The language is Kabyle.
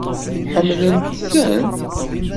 Ḥemmlent-ten?